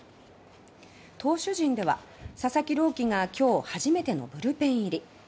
投手陣では佐々木朗希が今日、初めてのブルペン入り。